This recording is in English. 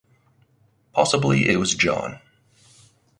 Possibly it was John.